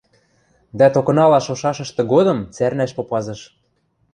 дӓ токынала шошашышты годым цӓрнӓш попазыш.